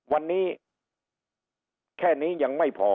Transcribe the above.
วันนี้แค่นี้ยังไม่พอ